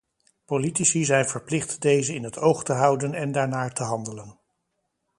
Politici zijn verplicht deze in het oog te houden en daarnaar te handelen.